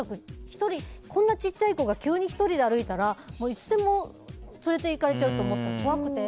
小さい子が急に１人で歩いたらいつでも連れていかれちゃうと思うと怖くて。